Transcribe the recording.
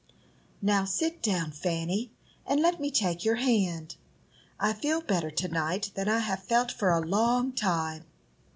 "Now sit down, Fanny, and let me take your hand. I feel better to night than I have felt for a long time."